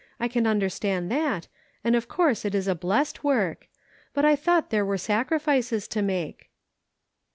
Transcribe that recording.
I can understand that, and of course it is a blessed work ; but I thought there were sacrifices to make."